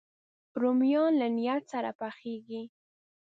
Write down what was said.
رومیان له نیت سره پخېږي